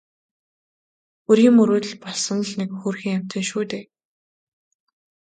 Үрийн мөрөөдөл болсон л нэг хөөрхий амьтан шүү дээ.